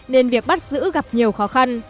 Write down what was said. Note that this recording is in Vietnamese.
nên việc bắt giữ gặp nhiều khó khăn